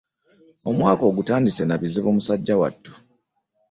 Omwaka ogutandise na bizibu musajja wattu.